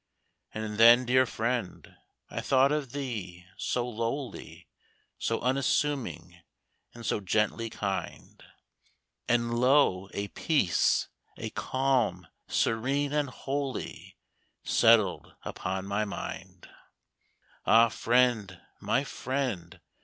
And then, dear friend, I thought of thee, so lowly, So unassuming, and so gently kind, And lo! a peace, a calm serene and holy, Settled upon my mind. Ah, friend, my friend!